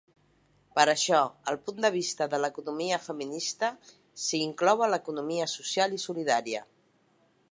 Per això, el punt de vista de l'economia feminista s'inclou a l'economia social i solidària.